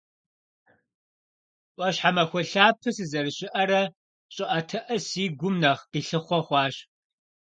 Ӏуащхьэмахуэ лъапэ сызэрыщыӏэрэ, щӏыӏэтыӏэ си гум нэхъ къилъыхъуэ хъуащ.